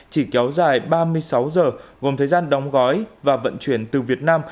chỉ kéo dài ba mươi sáu giờ gồm thời gian đóng gói và vận chuyển từ việt nam